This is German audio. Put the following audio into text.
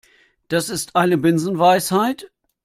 Das ist eine Binsenweisheit.